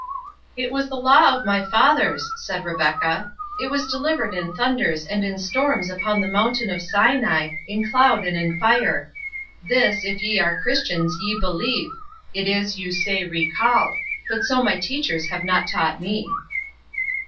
"It was the law of my fathers," said Rebecca; "it was delivered in thunders and in storms upon the mountain of Sinai, in cloud and in fire. This, if ye are Christians, ye believe—it is, you say, recalled; but so my teachers have not taught me."